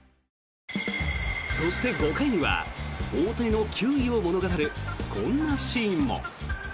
そして５回には大谷の球威を物語るこんなシーンも。